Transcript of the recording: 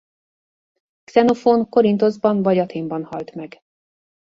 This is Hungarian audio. Xenophón Korinthoszban vagy Athénban halt meg.